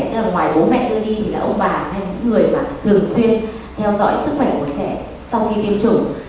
tức là ngoài bố mẹ ti thì là ông bà hay những người mà thường xuyên theo dõi sức khỏe của trẻ sau khi tiêm chủng